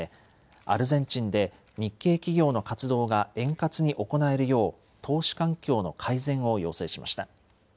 アルゼンチンで日系企業の活動が円滑に行えるよう投資環境の改善を要請しました。